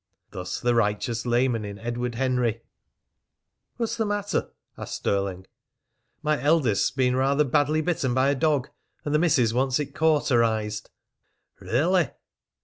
Thus the righteous layman in Edward Henry! "What's the matter?" asked Stirling. "My eldest's been rather badly bitten by a dog, and the missis wants it cauterized." "Really?"